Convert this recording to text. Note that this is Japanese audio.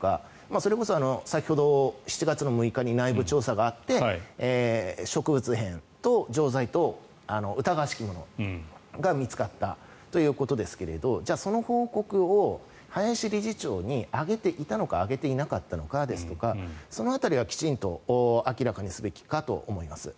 それこそ、先ほど７月６日に内部調査があって植物片と錠剤、疑わしきものが見つかったということですけれどもその報告を林理事長に上げていたのか上げていなかったのかですがその辺りはきちんと明らかにすべきかと思います。